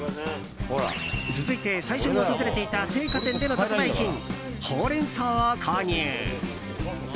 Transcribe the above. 続いて最初に訪れていた青果店での特売品ホウレンソウを購入。